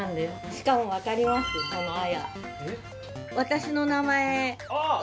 しかも分かります、この綾。